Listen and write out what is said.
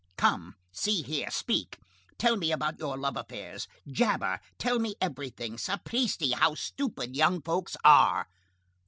"Come, see here, speak, tell me about your love affairs, jabber, tell me everything! Sapristi! how stupid young folks are!"